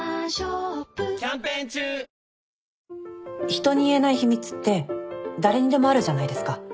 人に言えない秘密って誰にでもあるじゃないですか。